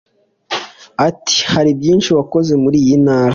Ati “Haribyinshi wakoze muri iyi ntara